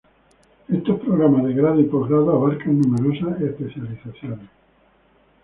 Estos programas de grado y posgrado abarcan numerosas especializaciones.